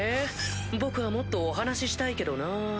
僕はもっとお話したいけどなぁ。